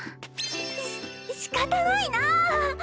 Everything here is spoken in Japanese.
ししかたないなぁ。